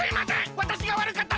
わたしがわるかったです！